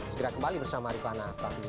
segera kembali bersama rifana prahmi